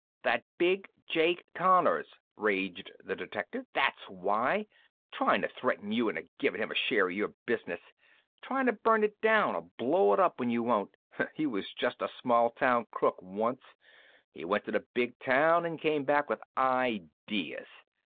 "That guy Big Jake Connors!" raged the detective. "That's why! Tryin' to threaten you into givin' him a share in your business! Tryin' to burn it down or blow it up when you won't! He was just a small town crook, once. He went to the big town an' came back with ideas.